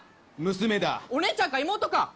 娘だお姉ちゃんか妹か？